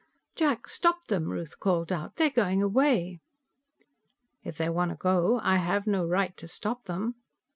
"Jack, stop them," Ruth called out. "They're going away." "If they want to go, I have no right to stop them."